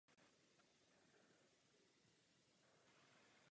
Národnostní složení obce se definitivně změnilo po odsunu německého obyvatelstva.